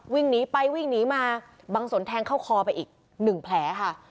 วิ่งหนีไปวิ่งหนีมาบางส่วนแทงเข้าคอไปอีกหนึ่งแผลค่ะ